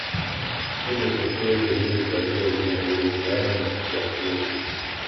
Ndivyo pekee vilivyosalia vyenye uhusiano na vyakula